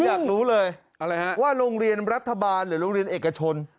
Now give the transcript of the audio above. อยากรู้เลยอะไรฮะว่าโรงเรียนรัฐบาลหรือโรงเรียนเอกชน